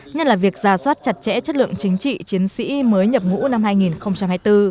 nhất là việc giả soát chặt chẽ chất lượng chính trị chiến sĩ mới nhập ngũ năm hai nghìn hai mươi bốn